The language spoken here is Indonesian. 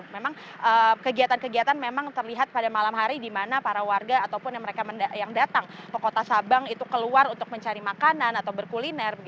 memang kegiatan kegiatan memang terlihat pada malam hari di mana para warga ataupun yang datang ke kota sabang itu keluar untuk mencari makanan atau berkuliner